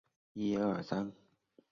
西汉末年右扶风平陵人。